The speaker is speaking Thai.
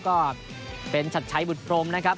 ก็เป็นชัดชัยบุตรพรมนะครับ